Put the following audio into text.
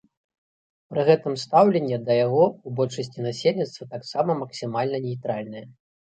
Пры гэтым стаўленне да яго ў большасці насельніцтва таксама максімальна нейтральнае.